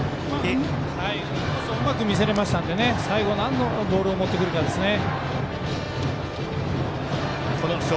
インコースをうまく見せれましたので最後、なんのボールを持ってくるかですね。